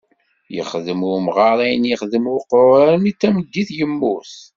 Yexdem umɣar ayen yexdem uqrur armi d tameddit, yemmut.